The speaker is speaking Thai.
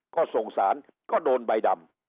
ก็สงสารก็โดนใบดำ